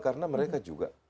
karena mereka juga